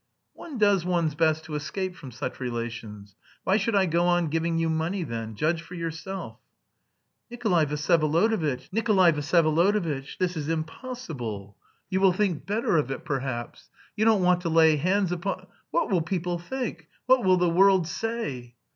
"One does one's best to escape from such relations. Why should I go on giving you money then? Judge for yourself." "Nikolay Vsyevolodovitch, Nikolay Vsyevolodovitch, this is impossible. You will think better of it, perhaps? You don't want to lay hands upon.... What will people think? What will the world say?"